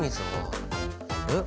えっ！？